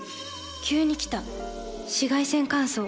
急に来た紫外線乾燥。